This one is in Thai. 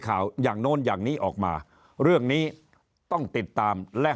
อย่างโน้นอย่างนี้ออกมาเรื่องนี้ต้องติดตามและ